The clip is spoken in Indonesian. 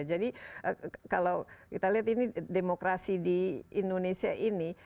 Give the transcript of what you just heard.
jadi kalau kita lihat ini demokrasi di indonesia ini